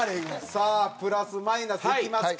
さあプラス・マイナスいきますか？